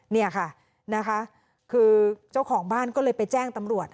เนี่ยค่ะนะคะคือเจ้าของบ้านก็เลยไปแจ้งตำรวจ